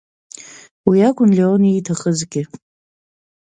Уи акәын Леон ииҭахызгьы.